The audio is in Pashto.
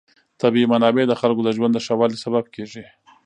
طبیعي منابع د خلکو د ژوند د ښه والي سبب کېږي.